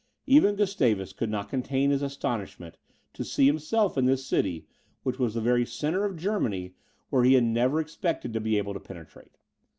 Even Gustavus could not contain his astonishment, to see himself in this city, which was the very centre of Germany, where he had never expected to be able to penetrate.